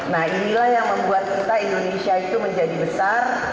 nah inilah yang membuat kita indonesia itu menjadi besar